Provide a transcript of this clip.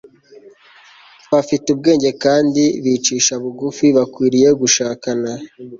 bafite ubwenge kandi bicisha bugufi Bakwiriye gushakana